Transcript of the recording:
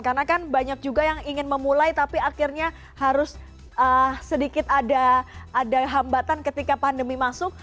karena kan banyak juga yang ingin memulai tapi akhirnya harus sedikit ada hambatan ketika pandemi masuk